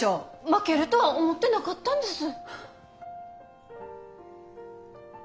負けるとは思ってなかったんです。